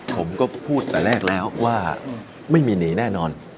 ผมก็พูดแต่แรกแล้วว่าไม่มีหนีแน่นอน